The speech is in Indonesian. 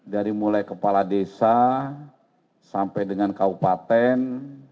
dari mulai kepala desa sampai dengan kaupaten